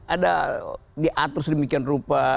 ada diatur sedemikian rupa